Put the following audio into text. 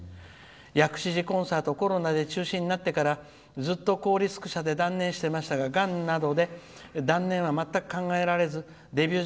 薬師寺コンサートコロナで中止になってからずっと高リスク者で断念してましたががんなどで断念。